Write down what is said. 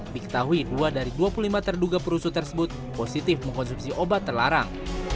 diketahui dua dari dua puluh lima terduga perusuh tersebut positif mengkonsumsi obat terlarang